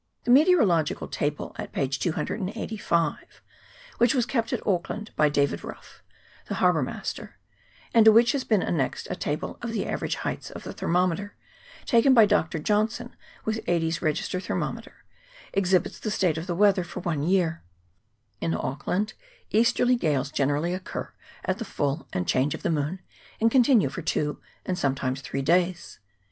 The meteorological table at p. 285, which was kept at Auckland by David Rough, the harbour master, and to which has been annexed a table of the average heights of the thermometer, taken by Dr. Johnson with Adie's register thermome 284 METEOROLOGICAL REGISTERS [PART II. ter, exhibits the state of the weather for one year. In Auckland easterly gales generally occur at the full and change of the moon, and continue for two and sometimes three days.